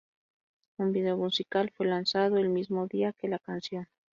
Un video musical fue lanzado el mismo día que la canción.